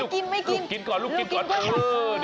ลูกกินก่อนลูกกินก่อน